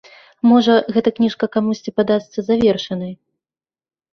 Можа, гэта кніжка камусьці падасца завершанай.